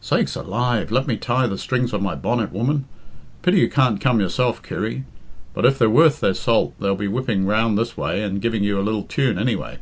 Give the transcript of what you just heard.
"Sakes alive! Let me tie the strings of my bonnet, woman. Pity you can't come yourself, Kitty. But if they're worth their salt they'll be whipping round this way and giving you a lil tune, anyway."